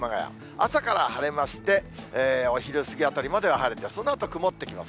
朝から晴れまして、お昼過ぎあたりまでは晴れて、そのあと曇ってきます。